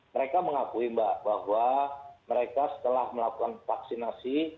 mereka mengakui mbak bahwa mereka setelah melakukan vaksinasi